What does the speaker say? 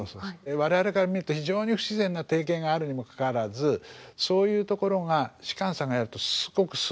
我々から見ると非常に不自然な定型があるにもかかわらずそういうところが芝さんがやるとすごくすんなり行くんですよ。